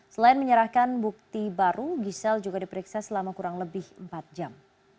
selain menyerahkan bukti baru giselle juga diperiksa selama kurang lebih empat jam